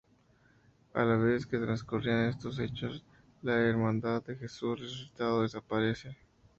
A la vez que transcurrían estos hechos, la Hermandad de Jesús Resucitado desaparece.